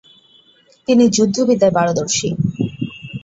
তিনি যুদ্ধ বিদ্যায় পারদর্শী।